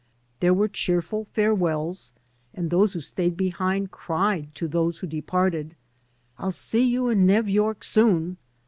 There were cheerful farewells, and those who stayed behind cried to those who departed, "I'll see you in Nev York soon."